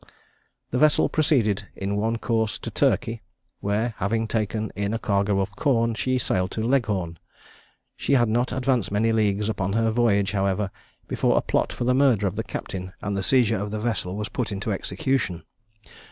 The vessel proceeded in one course to Turkey, where having taken in a cargo of corn, she sailed to Leghorn. She had not advanced many leagues upon her voyage, however, before a plot for the murder of the captain and the seizure of the vessel was put into execution.